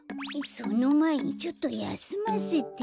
そのまえにちょっとやすませて。